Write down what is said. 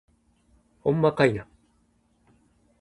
ほんまかいな